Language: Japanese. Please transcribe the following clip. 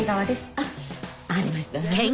あっありました。